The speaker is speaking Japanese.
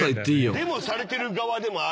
「デモされてる側でもある」？